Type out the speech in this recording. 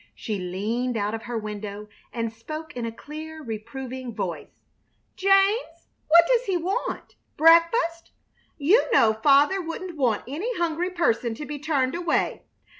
She leaned out of her window and spoke in a clear, reproving voice: "James, what does he want? Breakfast? You know father wouldn't want any hungry person to be turned away.